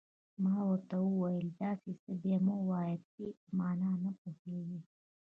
ما ورته وویل: داسې څه بیا مه وایه، ته یې په معنا نه پوهېږې.